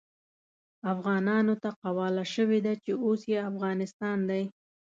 افغانانو ته قواله شوې ده چې اوس يې افغانستان دی.